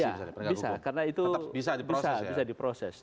oh ya bisa karena itu bisa diproses